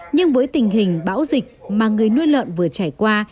nhưng với tình hình bão dịch mà người nuôi lợn vừa trải qua